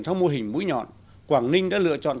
theo mô hình mũi nhọn quảng ninh đã lựa chọn